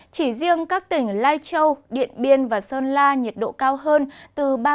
chỉ riêng các tỉnh lai châu điện biên và sơn la nhiệt độ cao hơn từ ba mươi ba độ